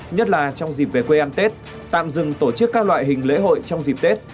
nhất là trong dịp về quê ăn tết tạm dừng tổ chức các loại hình lễ hội trong dịp tết